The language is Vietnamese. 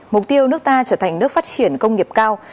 mục tiêu nước ta trở thành nước phát triển công nghiệp cao